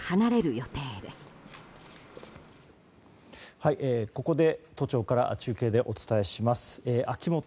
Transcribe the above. ここで都庁から中継でお伝えします。